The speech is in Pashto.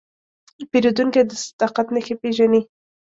پیرودونکی د صداقت نښې پېژني.